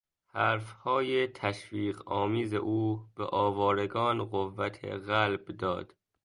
حرف های تشویق آمیز او به آوارگان قوت قلب داد.